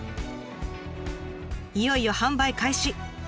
いよいよ販売開始！